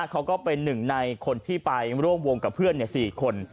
เขาก็เป็นหนึ่งในคนที่ไปร่วมวงกับเพื่อน๔คน